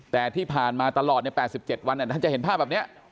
แต่ที่ผ่านมาตลอดเนี่ยแปดสิบเจ็ดวันเนี่ยท่านจะเห็นภาพแบบเนี้ย